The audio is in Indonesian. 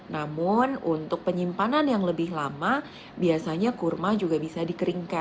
namun untuk penyimpanan yang lebih lama biasanya kurma juga bisa dikeringkan